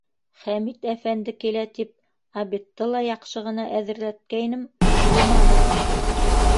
Хәмит әфәнде килә тип, обедты ла яҡшы ғына әҙерләткәйнем, булманы.